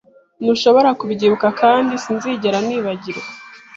Ntushobora kubyibuka kandi sinzigera nibagirwa.